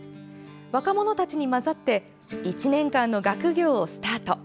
若者たちに交ざって１年間の学業をスタート。